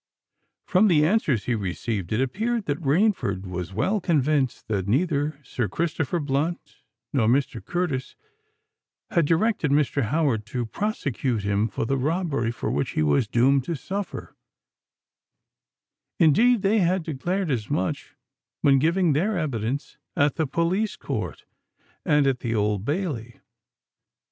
From the answers he received it appeared that Rainford was well convinced that neither Sir Christopher Blunt nor Mr. Curtis had directed Mr. Howard to prosecute him for the robbery for which he was doomed to suffer: indeed, they had declared as much when giving their evidence at the police court and at the Old Bailey.